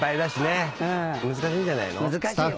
難しいよ。